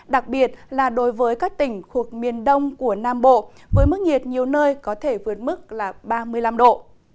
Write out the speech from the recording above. đặc biệt là đối với các tỉnh khuộc miền đông của nam bộ với mức nhiệt nhiều nơi có thể vượt mức ba mươi năm độ